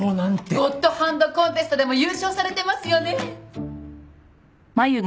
ゴッドハンドコンテストでも優勝されてますよね。